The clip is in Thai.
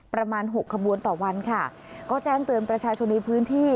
หกขบวนต่อวันค่ะก็แจ้งเตือนประชาชนในพื้นที่